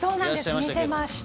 見ていました。